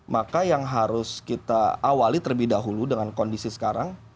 maka yang harus kita awali terlebih dahulu dengan kondisi sekarang